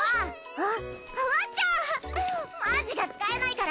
あっ。